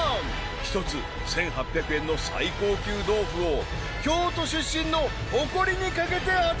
一つ１，８００円の最高級豆腐を京都出身の誇りに懸けて当ててください］